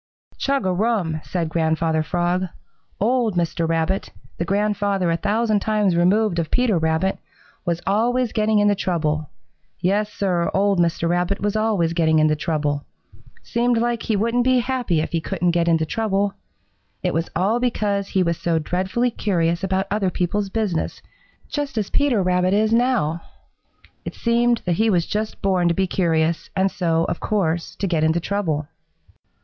"Chug a rum!" said Grandfather Frog. "Old Mr. Rabbit, the grandfather a thousand times removed of Peter Rabbit, was always getting into trouble. Yes, Sir, old Mr. Rabbit was always getting into trouble. Seemed like he wouldn't be happy if he couldn't get into trouble. It was all because he was so dreadfully curious about other people's business, just as Peter Rabbit is now. It seemed that he was just born to be curious and so, of course, to get into trouble.